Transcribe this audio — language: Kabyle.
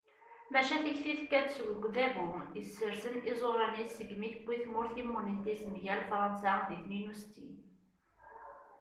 maca tikti tekka-d seg udabu yessersen iẓuṛan-is segmi tewwi tmurt timunent-is mgal fṛansa di tniyen u settin